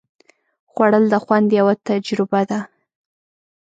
خوړل د خوند یوه تجربه ده